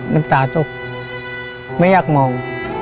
น้ำตาตกไม่อยากมอง